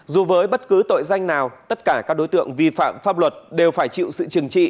dù với bất cứ tội danh nào tất cả các đối tượng vi phạm pháp luật đều phải chịu sự trừng trị